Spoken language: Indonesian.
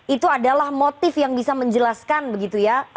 itu adalah motif yang bisa menjelaskan begitu ya